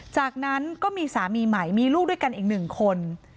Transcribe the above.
จากนั้นก็มีสามีใหม่มีลูกด้วยกันอีกหนึ่งคน